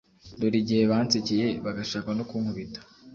dore igihe bansekeye, bagashaka no kunkubita;